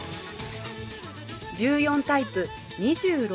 １４タイプ２６